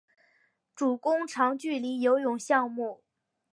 主攻长距离游泳项目。